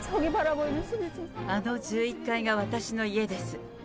あの１１階が私の家です。